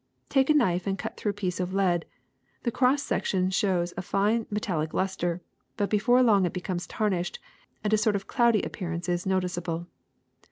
Take a knife and cut through a piece of lead. The cross section shows a fine metal lic luster, but before long it becomes tarnished and a sort of cloudy appearance is noticeable.